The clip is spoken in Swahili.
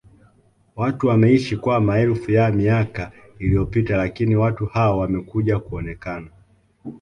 watu wameishi kwa maelfu ya miaka iliyopita lakini watu hao wamekuja kuonekana